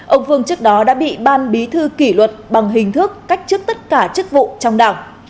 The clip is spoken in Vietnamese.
ông vương trước đó đã bị ban bí thư kỷ luật bằng hình thức cách chức tất cả chức vụ trong đảng